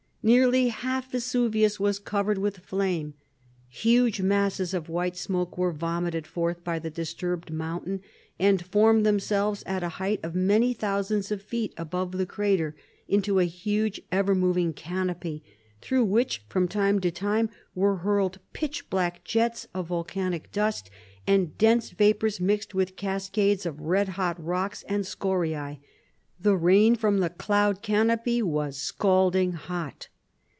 Nearly half Vesuvius was covered with fire. "Huge masses of white smoke were vomited forth by the disturbed mountain, and formed themselves at a height of many thousands of feet above the crater into a huge, ever moving canopy, through which, from time to time, were hurled pitch black jets of volcanic dust, and dense vapors, mixed with cascades of red hot rocks and scoriæ. The rain from the cloud canopy was scalding hot."